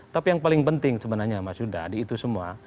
tapi yang paling penting sebenarnya mas yuda di itu semua